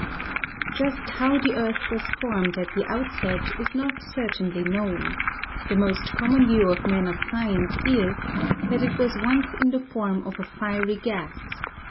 Just how the earth was formed at the outset is not certainly known. The most common view of men of science is that it was once in the form of a fiery gas.